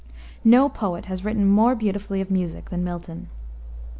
No poet has written more beautifully of music than Milton.